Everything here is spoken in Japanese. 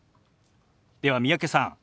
では三宅さん